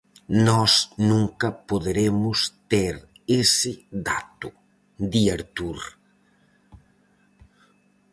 "Nós nunca poderemos ter ese dato", di Artur.